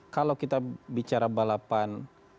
kalau kita bicara balapan